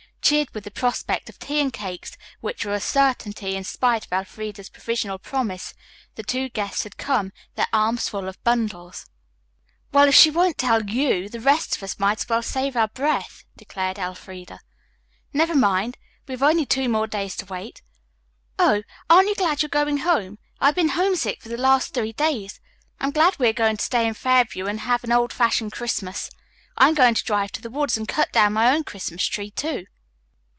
Cheered with the prospect of tea and cakes, which were a certainty in spite of Elfreda's provisional promise, the two guests had come, their arms full of bundles. "Well, if she won't tell you, the rest of us might as well save our breath," declared Elfreda. "Never mind, we have only two more days to wait. Oh, aren't you glad you're going home? I have been homesick for the last three days. I'm glad we are going to stay in Fairview and have an old fashioned Christmas. I am going to drive to the woods and cut down my own Christmas tree, too."